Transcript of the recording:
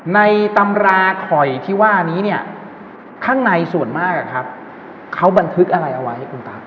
ในตำราข่อยที่ว่านี้ข้างในส่วนมากเขาบันทึกอะไรเอาไว้